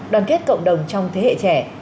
đoàn kết cộng đồng trong thế hệ trẻ